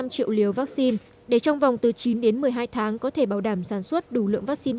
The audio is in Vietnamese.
năm triệu liều vaccine để trong vòng từ chín đến một mươi hai tháng có thể bảo đảm sản xuất đủ lượng vaccine